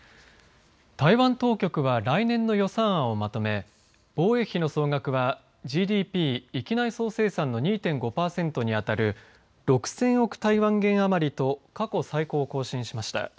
台湾当局は来年の予算案をまとめ防衛費の総額はＧＤＰ、域内総生産の２．５パーセントに当たる６０００億台湾元余りと過去最高を更新しました。